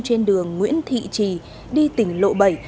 trên đường nguyễn thị trì đi tỉnh lộ bảy